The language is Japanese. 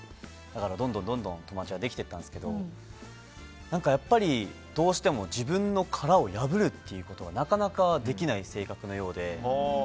だから、どんどん友達はできていったんですけどやっぱり、どうしても自分の殻を破ることがなかなかできない性格のようで。